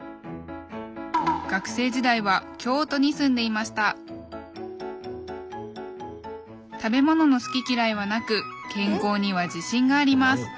学生時代は京都に住んでいました食べ物の好き嫌いはなく健康には自信があります！